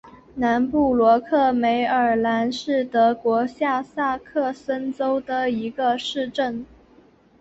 南布罗克梅尔兰是德国下萨克森州的一个市镇。